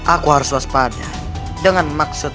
aku harus waspada dengan maksud